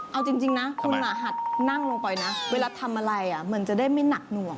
เอาจริงนะคุณหัดนั่งลงไปนะเวลาทำอะไรมันจะได้ไม่หนักหน่วง